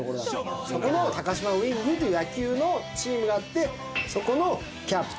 そこの高島ウイングという野球のチームがあってそこのキャプテン。